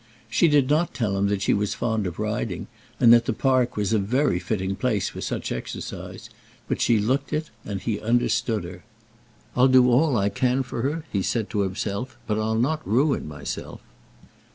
She did not tell him that she was fond of riding, and that the Park was a very fitting place for such exercise; but she looked it, and he understood her. "I'll do all I can for her," he said to himself; "but I'll not ruin myself."